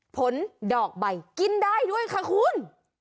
ผลดอกใบกินได้ด้วยค่ะคุณ